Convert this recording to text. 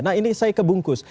nah ini saya kebungkus